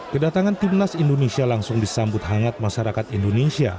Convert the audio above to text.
kedatangan timnas indonesia langsung disambut hangat masyarakat indonesia